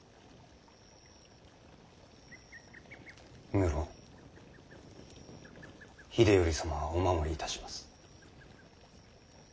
無論秀頼様はお守りいたします。